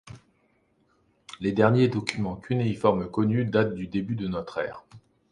Les derniers documents cunéiformes connus datent du début de notre ère.